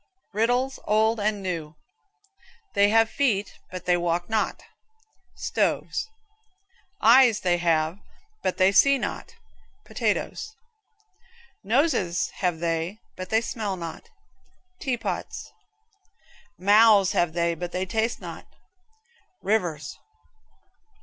RIDDLES, OLD AND NEW. Feet have they, but they walk not stoves. Eyes have they, but they see not potatoes. Noses have they, but they smell not tea pots. Mouths have they, but they taste not rivers.